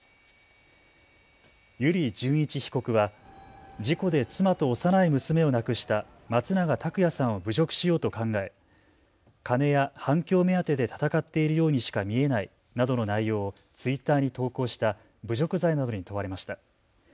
油利潤一被告は事故で妻と幼い娘を亡くした松永拓也さんを侮辱しようと考え、金や反響目当てで闘っているようにしか見えないなどの内容をツイッターに投稿した侮辱罪などに問われました。